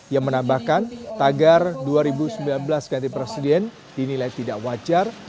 yang menambahkan tagar dua ribu sembilan belas ganti presiden dinilai tidak wajar